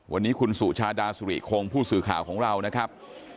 วันนี้คุณสุชาดาสุริคงผู้สื่อข่าวของเรานะครับ